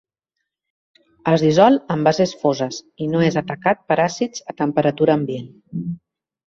Es dissol en bases foses, i no és atacat per àcids a temperatura ambient.